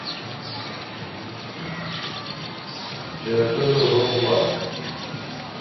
جرگہ لو روغ با۔